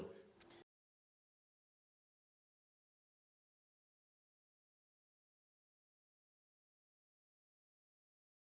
nanti kita berburu